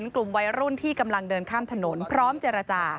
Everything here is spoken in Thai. กลุ่มวัยรุ่นที่กำลังเดินข้ามถนนพร้อมเจรจา